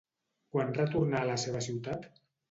Quan retornà a la seva ciutat?